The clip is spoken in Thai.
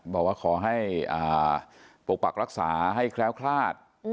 บอกว่าขอให้ปกปักรักษาให้แคล้วคลาด